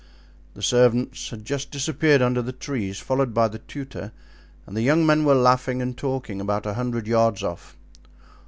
The servants had just disappeared under the trees, followed by the tutor, and the young men were laughing and talking about a hundred yards off.